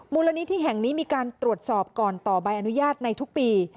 มูลนิธิแห่งนี้มีการตรวจสอบก่อนต่อใบอนุญาตในทุกปี